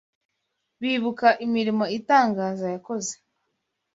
bibuka imirimo itangaza yakoze.